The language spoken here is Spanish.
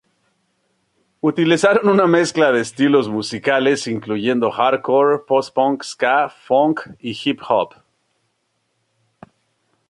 Utilizaron una mezcla de estilos musicales, incluyendo hardcore, post-punk, ska, funk y hip-hop.